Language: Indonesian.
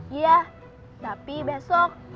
iya tapi besok